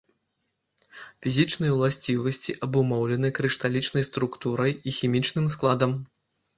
Фізічныя ўласцівасці абумоўлены крышталічнай структурай і хімічным складам.